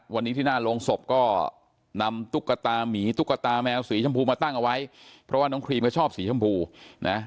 วันนี้ที่หน้าโรงศพก็นำตุ๊กตามีตุ๊กตาแมวสีชมพูมาตั้งเอาไว้เพราะว่าน้องครีมก็ชอบสีชมพูนะ